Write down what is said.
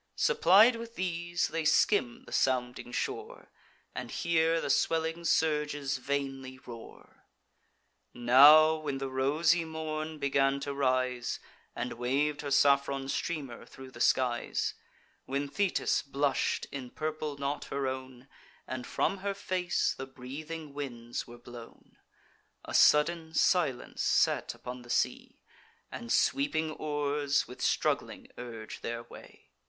Supplied with these, they skim the sounding shore, And hear the swelling surges vainly roar. Now, when the rosy morn began to rise, And wav'd her saffron streamer thro' the skies; When Thetis blush'd in purple not her own, And from her face the breathing winds were blown, A sudden silence sate upon the sea, And sweeping oars, with struggling, urge their way.